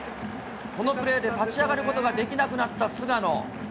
このプレーで立ち上がることができなくなった菅野。